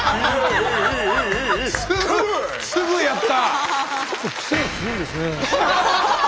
すぐやった！